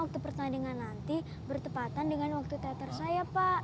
tepi peratkan shay